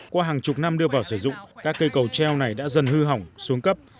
qua hàng chục năm đưa vào sử dụng các cây cầu treo này đã dần hư hỏng xuống cấp